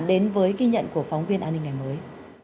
đến với ghi nhận của phóng viên an ninh ngày mới